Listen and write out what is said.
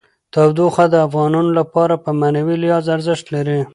تودوخه د افغانانو لپاره په معنوي لحاظ ارزښت لري.